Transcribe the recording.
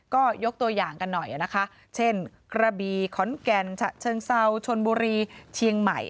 ก็ยกตัวอย่างกันหน่อยนะคะเช่นกระบีขอนแก่นฉะเชิงเซาชนบุรีเชียงใหม่